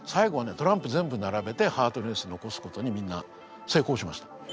トランプ全部並べてハートのエース残すことにみんな成功しました。